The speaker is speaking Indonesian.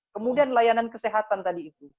kemudian layanan kesehatan tadi itu